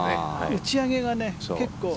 打ち上げがね結構。